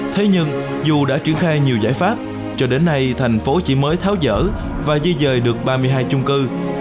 thế nhưng dù đã triển khai nhiều giải pháp cho đến nay thành phố chỉ mới tháo dở và di dời được ba mươi hai chung cư